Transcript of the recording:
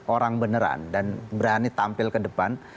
orang beneran dan berani tampil ke depan